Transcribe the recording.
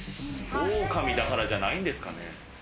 オオカミだからじゃないんですかね？